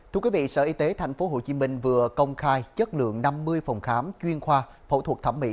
thưa quý vị sở y tế tp hcm vừa công khai chất lượng năm mươi phòng khám chuyên khoa phẫu thuật thẩm mỹ